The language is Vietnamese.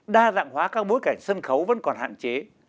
đa dạng hóa các bối cảnh sân khấu vẫn còn hạn chế